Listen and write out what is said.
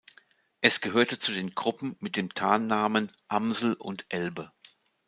Es gehörte zu den Gruppen mit den Tarnnamen "Amsel" und "Elbe".